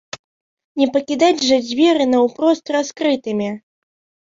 Не пакідаць жа дзверы наўпрост раскрытымі!